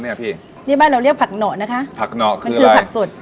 เนี้ยพี่นี่บ้านเราเรียกผักหน๋อนะคะผักหน๋อคืออะไรมันคือผักสุด